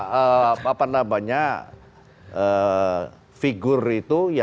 figur itu yang siapa yang akan mengambilnya